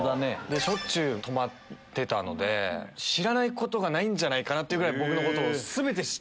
しょっちゅう泊まってたので知らないことがないんじゃないかっていうぐらい。